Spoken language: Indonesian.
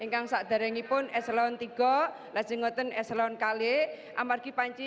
yang saya ingin mengatakan eselon tiga lajengoten eselon kale amarki panci